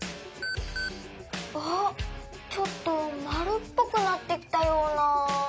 あっちょっとまるっぽくなってきたような。